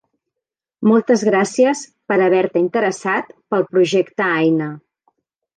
Moltes gràcies per haver-te interessat pel projecte Aina.